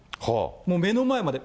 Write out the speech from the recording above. もう目の前まで。